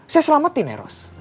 saya selamatin eros